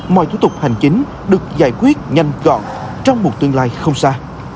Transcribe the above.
mọi thủ tục hành chính được giải quyết nhanh gọn trong một tương lai không xa